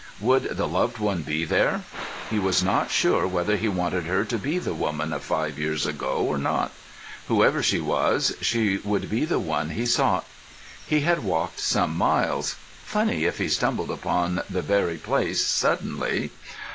Would the loved one be there? He was not sure whether he wanted her to be the woman of five years ago or not. Whoever she was, she would be the one he sought. He had walked some miles; funny if he stumbled upon the very place suddenly.